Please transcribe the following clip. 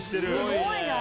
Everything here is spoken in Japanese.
すごいな！